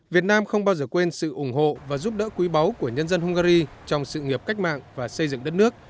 việt nam không bao giờ quên sự ủng hộ và giúp đỡ quý báu của nhân dân hungary trong sự nghiệp cách mạng và xây dựng đất nước